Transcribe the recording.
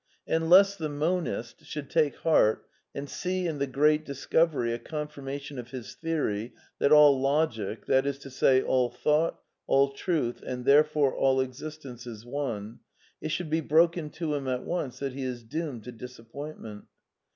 And lest the monist should take heart and see in the Great Discovery a confirmation of his theory that all logic, that is to say, all thought, all truth, and therefore all ex istence, is one, it should be broken to him at once that he is doomed to disappointment.